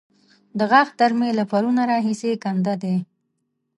د غاښ درد مې له پرونه راهسې کنده دی.